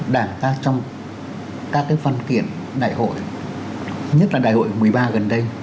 đảng ta trong các văn kiện đại hội nhất là đại hội một mươi ba gần đây